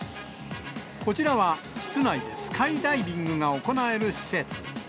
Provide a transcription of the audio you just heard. こちらは、室内でスカイダイビングが行える施設。